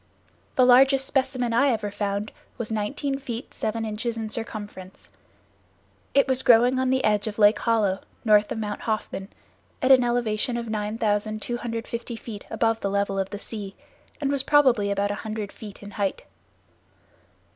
The largest specimen I ever found was nineteen feet seven inches in circumference. It was growing on the edge of Lake Hollow, north of Mount Hoffman, at an elevation of 9250 feet above the level of the sea, and was probably about a hundred feet in height.